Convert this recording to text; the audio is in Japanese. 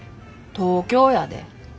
東京やで。